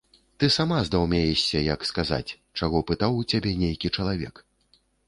Ты сама здаўмеешся, як сказаць, чаго пытаў у цябе нейкі чалавек.